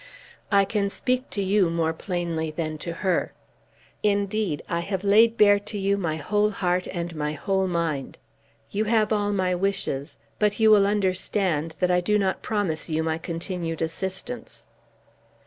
I can speak to you more plainly than to her. Indeed I have laid bare to you my whole heart and my whole mind. You have all my wishes, but you will understand that I do not promise you my continued assistance."